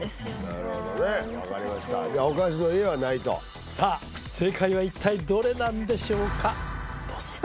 なるほどね分かりましたじゃあお菓子の家はないとさあ正解は一体どれなんでしょうか？